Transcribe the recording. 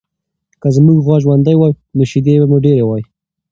که زموږ غوا ژوندۍ وای، نو شیدې به مو ډېرې وای.